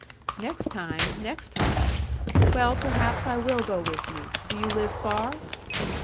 "Next time! Next time! Well, perhaps I will go with you. Do you live far?"